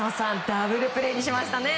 ダブルプレーにしましたね。